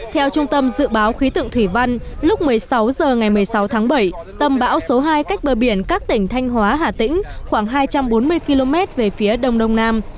theo trung tâm dự báo khí tượng thủy văn lúc một mươi sáu h ngày một mươi sáu tháng bảy tâm bão số hai cách bờ biển các tỉnh thanh hóa hà tĩnh khoảng hai trăm bốn mươi km về phía đông đông nam